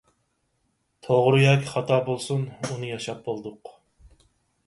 توغرا ياكى خاتا بولسۇن، ئۇنى ياشاپ بولدۇق.